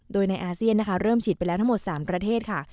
โดยในอาเซียนนะคะเริ่มฉีดไปแล้วทั้งหมด๓ประเทศค่ะ